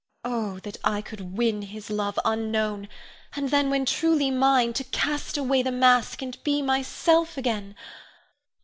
Oh, that I could win his love unknown, and then when truly mine, to cast away the mask, and be myself again.